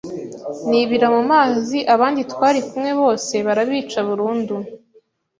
nibira mu mazi abandi twari kumwe bose barabica burundu